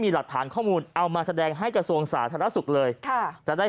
หลักฐานข้อมูลเอามาแสดงให้กระทรวงสาธารณสุขเลยค่ะจะได้